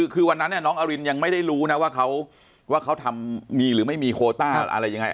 คือวันนั้นน้องอรินยังไม่ได้รู้นะว่าเขาทำมีหรือไม่มีโคต้าอะไรยังไง